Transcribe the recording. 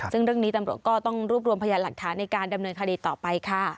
ซึ่งเรื่องนี้ตำรวจก็ต้องรวบรวมพยานหลักฐานในการดำเนินคดีต่อไปค่ะ